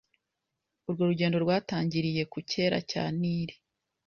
Urwo rugendo rwatangiriye ku cyera cya Nili